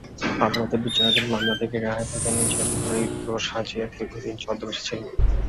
আদালতে বিচারাধীন মামলা থেকে রেহাই পেতে নিজেকে মৃত সাজিয়ে দীর্ঘদিন ছদ্মবেশে ছিলেন।